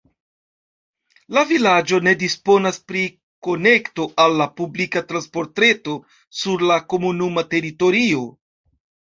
La vilaĝo ne disponas pri konekto al la publika transportreto sur la komunuma teritorio.